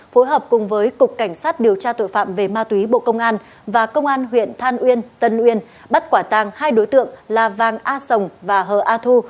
phối hợp cùng với cục cảnh sát điều tra tội phạm về ma túy bộ công an và công an huyện than uyên tân uyên bắt quả tàng hai đối tượng là vàng a sồng và hờ a thu